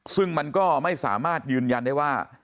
ซึ่งมันก็ไม่สามารถยืนยันได้ว่า